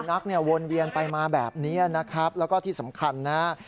นักเนี่ยวนเวียนไปมาแบบนี้นะครับแล้วก็ที่สำคัญนะฮะ